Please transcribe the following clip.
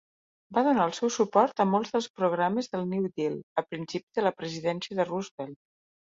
Va donar el seu suport a molts dels programes del New Deal, al principi de la presidència de Roosevelt.